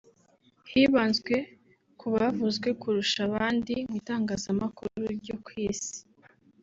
hibanzwe ku bavuzwe kurusha abandi mu itangazamakuru ryo ku isi